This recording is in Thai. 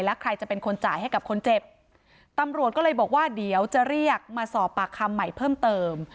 แล้วใครจะเป็นคนจ่ายให้กับคนเจ็บตำรวจก็เลยบอกว่าเดี๋ยวจะเรียกมาสอบปากคำใหม่เพิ่มเติม